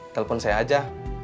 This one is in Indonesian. telepon saya aja